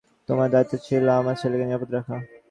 তোমার দায়িত্ব ছিল আমার ছেলেকে নিরাপদ রাখা।